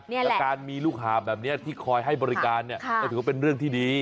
แล้วการมีลูกหาบแบบนี้ที่คอยให้บริการเนี่ยก็ถือว่าเป็นเรื่องที่ดี